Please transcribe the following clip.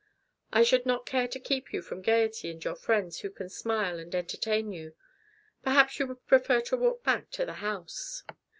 I should not care to keep you from gaiety and your friends who can smile and entertain you. Perhaps you would prefer to walk back to the house?"